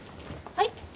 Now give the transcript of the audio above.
はい？